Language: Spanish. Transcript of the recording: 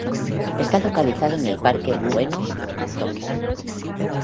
Está localizado en el Parque Ueno, en Tokio.